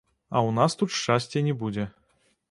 А ў нас тут шчасця не будзе.